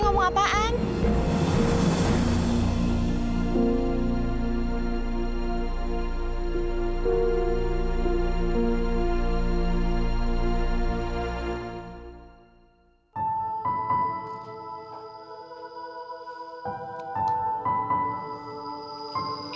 nggak ngerti yang briefnya eh